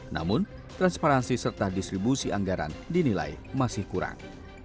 namun transparansi serta distribusi anggaran dinilai masih kurang